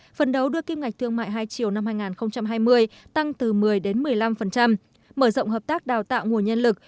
phần đấu đưa kim ngạch thương mại hai triệu năm hai nghìn hai mươi tăng từ một mươi một mươi năm mở rộng hợp tác đào tạo nguồn nhân lực